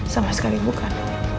sama sekali bukan